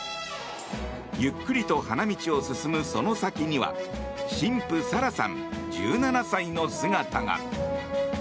ゆっくりと花道を進むその先には新婦サラさん、１７歳の姿が。